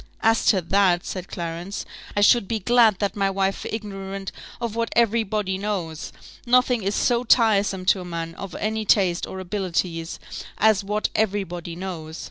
"As to that," said Clarence, "I should be glad that my wife were ignorant of what every body knows. Nothing is so tiresome to a man of any taste or abilities as what every body knows.